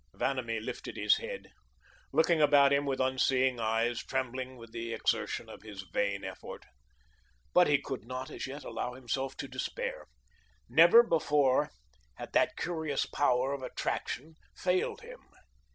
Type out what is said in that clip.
Vanamee lifted his head, looking about him with unseeing eyes, trembling with the exertion of his vain effort. But he could not as yet allow himself to despair. Never before had that curious power of attraction failed him.